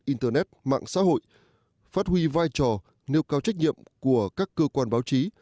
internet mạng xã hội phát huy vai trò nêu cao trách nhiệm của các cơ quan báo chí